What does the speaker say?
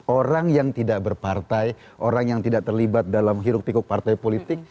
orang yang tidak berpartai orang yang tidak terlibat dalam hiruk tikuk partai politik